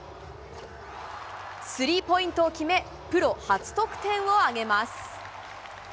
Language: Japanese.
スリーポイントを決め、プロ初得点を挙げます。